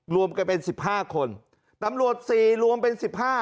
รวมกันเป็น๑๕คนตำรวจ๔รวมเป็น๑๕